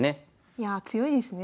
いやあ強いですね。